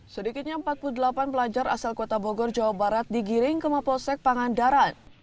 sedikitnya empat puluh delapan pelajar asal kota bogor jawa barat digiring ke mapolsek pangandaran